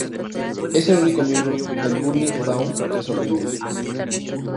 Es el único miembro del Burning Dawn que sobrevive.